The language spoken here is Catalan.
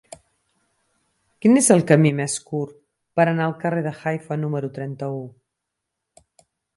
Quin és el camí més curt per anar al carrer de Haifa número trenta-u?